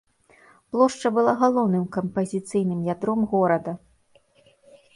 Плошча была галоўным кампазіцыйным ядром горада.